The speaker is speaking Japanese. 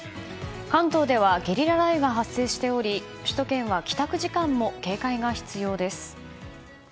関東ではゲリラ雷雨が発生しており首都圏は帰宅時間も警戒が必要です。